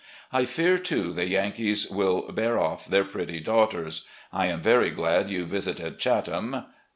I fear, too, the Yankees will bear off their pretty daugh ters. I am very glad you visited 'Chatham.